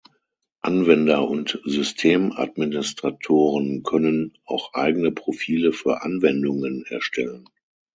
Anwender und Systemadministratoren können auch eigene Profile für Anwendungen erstellen.